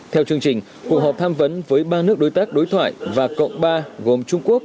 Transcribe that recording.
theo chương trình cuộc họp tham vấn với ba nước đối tác đối thoại và cộng ba gồm trung quốc